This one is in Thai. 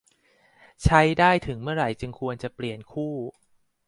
ใช้ได้ถึงเมื่อไหร่จึงควรเปลี่ยนคู่